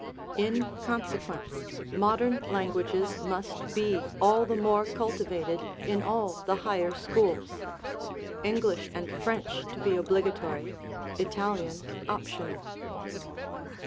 In consequence, modern languages must be all the more cultivated in all the higher schools (English and French to be obligatory, Italian optional).